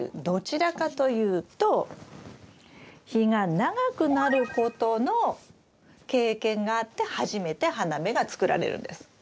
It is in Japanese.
どちらかというと日が長くなることの経験があって初めて花芽が作られるんです。